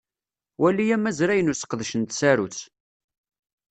Wali amazray n useqdec n tsarut.